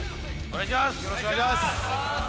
お願いします！